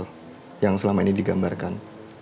ada sikap radikal yang selama ini digambarkan